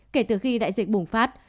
kể từ khi đại dịch bùng phát